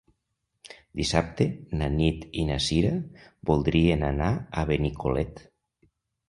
Dissabte na Nit i na Cira voldrien anar a Benicolet.